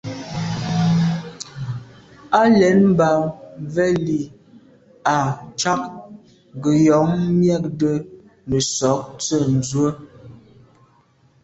Á lɛ̀ɛ́n mbə̄ mvɛ́lì à’cák gə̀jɔ̀ɔ́ŋ mjɛ́ɛ̀’də̄ nə̀sɔ̀ɔ́k tsə̂ ndzwə́.